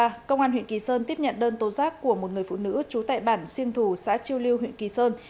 công an huyện kỳ sơn tiếp nhận đơn tố giác của một người phụ nữ trú tại bản siêng thủ xã chiêu liêu huyện kỳ sơn